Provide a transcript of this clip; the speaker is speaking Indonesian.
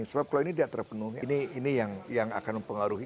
tepuk tangan tuduh